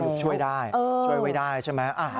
คือช่วยได้ช่วยไว้ได้ใช่ไหม